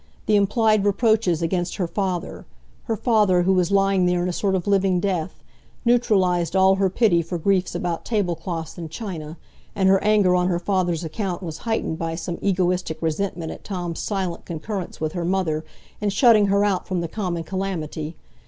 The implied reproaches against her father—her father, who was lying there in a sort of living death—neutralised all her pity for griefs about tablecloths and china; and her anger on her father's account was heightened by some egoistic resentment at Tom's silent concurrence with her mother in shutting her out from the common calamity.